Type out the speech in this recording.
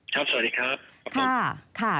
สวัสดีครับ